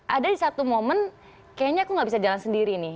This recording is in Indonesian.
ada di satu momen kayaknya aku gak bisa jalan sendiri nih